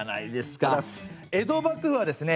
江戸幕府はですね